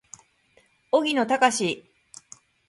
荻野貴司